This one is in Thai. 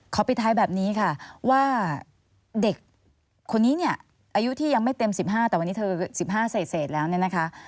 ปิดท้ายแบบนี้ค่ะว่าเด็กคนนี้เนี่ยอายุที่ยังไม่เต็ม๑๕แต่วันนี้เธอ๑๕เศษแล้วเนี่ยนะคะ